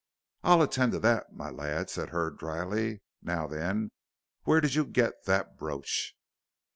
"I'll attend to that, my lad," said Hurd, dryly. "Now, then, where did you get that brooch?"